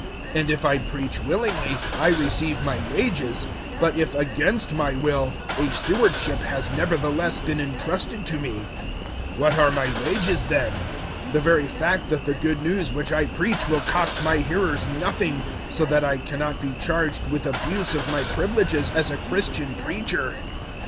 009:017 And if I preach willingly, I receive my wages; but if against my will, a stewardship has nevertheless been entrusted to me. 009:018 What are my wages then? The very fact that the Good News which I preach will cost my hearers nothing, so that I cannot be charged with abuse of my privileges as a Christian preacher.